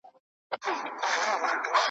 په لرگیو په چړو سره وهلي ,